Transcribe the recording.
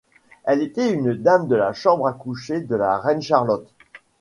Elle était une Dame de la Chambre à coucher de la Reine-Charlotte.